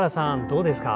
どうですか？